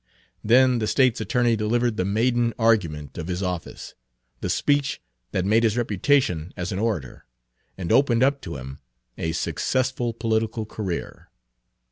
Then the State's attorney delivered the maiden argument of his office, the speech that made his reputation as an orator, and opened up to him a successful political career.